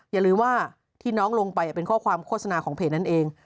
อย่าลืมว่าที่น้องลงไปเป็นข้อความโฆษณาของเพจนั้นเอง